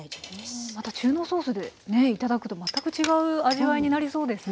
また中濃ソースで頂くと全く違う味わいになりそうですね。